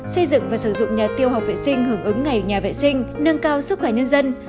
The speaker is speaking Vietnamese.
xây dựng và sử dụng nhà tiêu học vệ sinh hưởng ứng ngày nhà vệ sinh nâng cao sức khỏe nhân dân